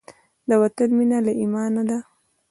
د وطن مینه له ایمانه ده.